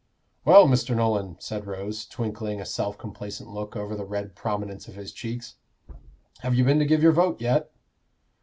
"Well, Mr. Nolan," said Rose, twinkling a self complacent look over the red prominence of his cheeks, "have you been to give your vote yet?"